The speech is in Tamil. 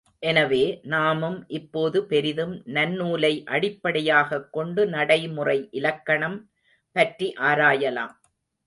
எனவே, நாமும் இப்போது பெரிதும் நன்னூலை அடிப்படையாகக் கொண்டு நடைமுறை இலக்கணம் பற்றி ஆராயலாம்.